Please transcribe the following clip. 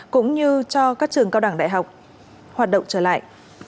cũng như cho các trường cao đẳng đại học hoạt động trở lại